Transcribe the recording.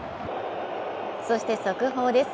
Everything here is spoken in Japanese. そして速報です。